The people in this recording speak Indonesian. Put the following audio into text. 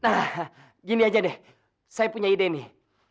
hahaha gini aja deh saya punya ide nih